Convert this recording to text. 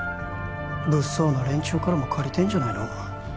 物騒な連中からも借りてんじゃないの？